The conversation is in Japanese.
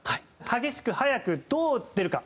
激しく速くどう出るか？